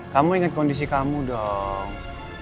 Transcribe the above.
kamu ingat kondisi kamu dong